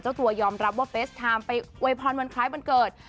เจ้าตัวยอมรับว่าเฟสทามไปเวย์พรรณวันคล้ายบันเกิด